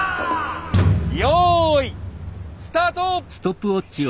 よいスタート！